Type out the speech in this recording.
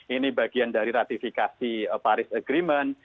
ini bagian dari ratifikasi paris agreement